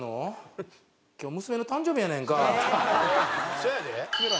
「そやで」